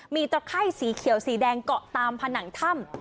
มีตะไข้สีเขียวสีแดงเกาะตามผนังถ้ำ